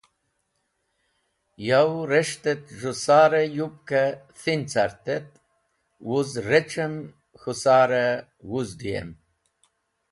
Yow res̃ht et z̃hũ sar yupk thin cart et wuz rec̃hem k̃hũ sar wũzdũyem.